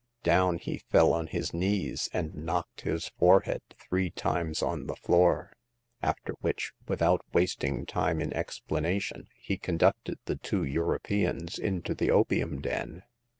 Down he fell on his knees and knocked his forehead three times on the floor ; after which, without wast ing time in explanation, he conducted the two Europeans into the opium den.